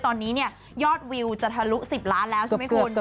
ตอนนี้เนี่ยยอดวิวจะทะลุ๑๐ล้านแล้วใช่ไหมคุณ